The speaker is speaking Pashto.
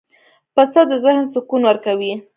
پسه د ذهن سکون ورکوي.